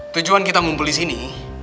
tujuan kita ngumpul di sini